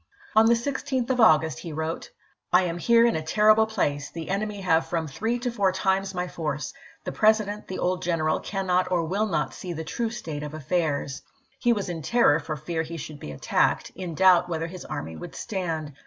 On the 16th of August he wrote :" I am here in a ter rible place ; the enemy have from three to four times my force ; the President, the old general, can not or will not see the true state of affairs." He was in terror for fear he should be attacked, in doubt whether his army would stand.